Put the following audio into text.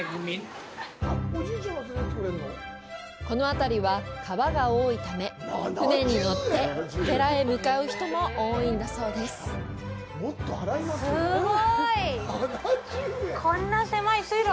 この辺りは川が多いため、舟に乗ってお寺へ向かう人も多いんだそうです。